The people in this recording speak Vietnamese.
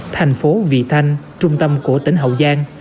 thành phố vị thanh trung tâm của tỉnh hậu giang